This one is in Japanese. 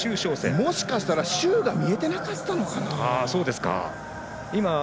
もしかしたら周召倩が見えてなかったのかな。